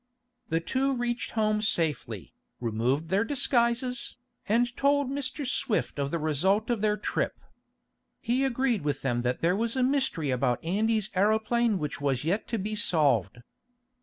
The two reached home safely, removed their "disguises," and told Mr. Swift of the result of their trip. He agreed with them that there was a mystery about Andy's aeroplane which was yet to be solved.